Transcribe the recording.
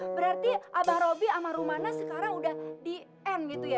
berarti abang robi sama rumana sekarang udah di end gitu ya